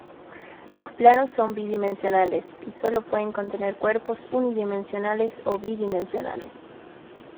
Los planos son bidimensionales, y solo pueden contener cuerpos unidimensionales o bidimensionales.